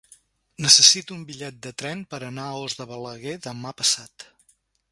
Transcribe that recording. Necessito un bitllet de tren per anar a Os de Balaguer demà passat.